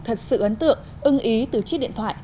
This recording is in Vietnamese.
thật sự ấn tượng ưng ý từ chiếc điện thoại